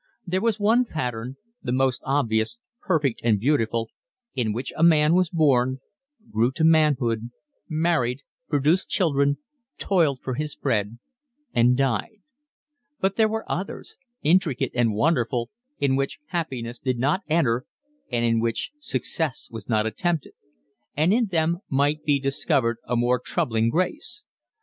There was one pattern, the most obvious, perfect, and beautiful, in which a man was born, grew to manhood, married, produced children, toiled for his bread, and died; but there were others, intricate and wonderful, in which happiness did not enter and in which success was not attempted; and in them might be discovered a more troubling grace.